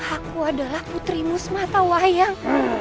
aku adalah putrimu semata wayang